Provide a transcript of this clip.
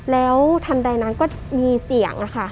แล้วทันใดนั้นก็มีเสียงค่ะ